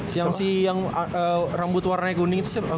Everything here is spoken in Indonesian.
si yang rambut warnanya kuning itu